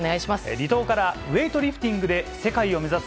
離島からウエイトリフティングで世界を目指す